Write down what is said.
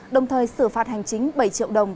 đồng thời xử phạt hành chính bảy triệu đồng